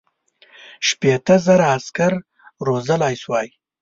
شپېته زره عسکر روزلای سوای.